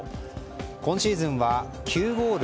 今シーズンは９ゴール